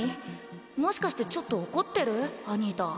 もしかしてちょっと怒ってるアニータ？